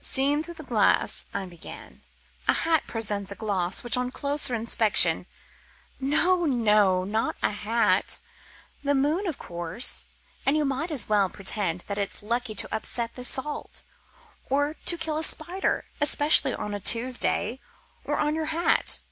"Seen through glass," I began, "a hat presents a gloss which on closer inspection " "No, no, not a hat, the moon, of course. And you might as well pretend that it's lucky to upset the salt, or to kill a spider, especially on a Tuesday, or on your hat."